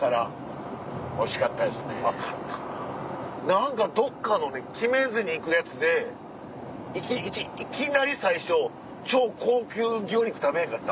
何かどっかのね決めずに行くやつでいきなり最初超高級牛肉食べへんかった？